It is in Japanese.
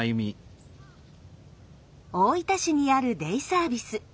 大分市にあるデイサービス。